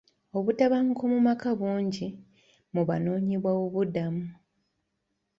Obutabanguko mu maka bungi mu banoonyiboobubudamu.